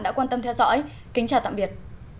đã quan tâm theo dõi kính chào tạm biệt